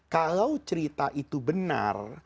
kalau cerita itu benar